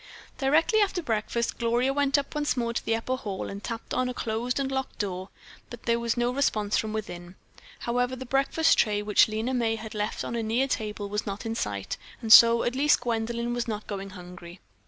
Directly after breakfast Gloria went once more to the upper hall and tapped on a closed and locked door, but there was no response from within. However, the breakfast tray which Lena May had left on a near table was not in sight, and so, at least, Gwendolyn was not going hungry.